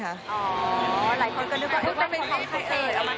อ๋อหลายคนก็นึกว่าเป็นของใครเนี่ย